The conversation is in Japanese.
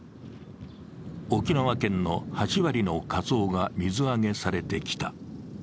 沖縄県の８割のかつおが水揚げされてきた。